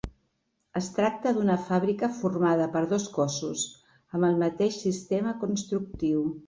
Es tracta d'una fàbrica formada per dos cossos amb el mateix sistema constructiu.